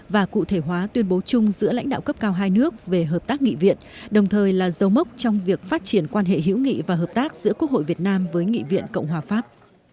và cụ thể hóa tuyên bố chung giữa lãnh đạo cấp cao hai nước về hợp tác nghị viện đồng thời là dấu mốc trong việc phát triển quan hệ hữu nghị và hợp tác giữa quốc hội việt nam với nghị viện cộng hòa pháp